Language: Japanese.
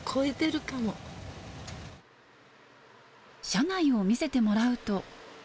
車内を見せてもらうと。